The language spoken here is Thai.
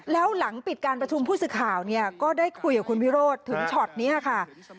แล้วหลังปิดการพฤศข่าวเนี่ยก็ได้คุยกับคุณพี่โรธถึงฉอตนี้ค่ะ